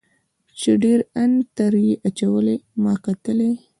چې ډیر ان ته یې اچولې ما کتلی.